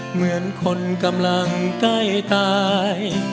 เหมือนคนกำลังใกล้ตาย